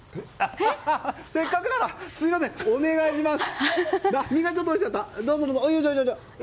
せっかくだから、すみませんお願いします。